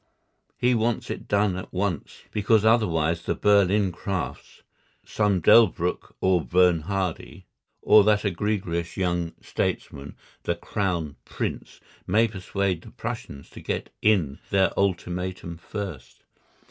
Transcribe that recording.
He wants it done at once, because otherwise the Berlin Krafts, some Delbruck or Bernhardi, or that egregious young statesman, the Crown Prince, may persuade the Prussians to get in their ultimatum first.